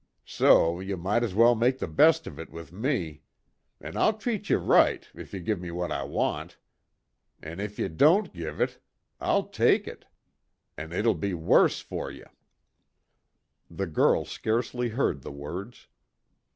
So ye might's well make the best of it with me. An' I'll treat ye right if ye give me what I want. An' if ye don't give it, I'll take it an' it'll be the worse fer you." The girl scarcely heard the words.